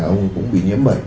ông cũng bị nhiễm bệnh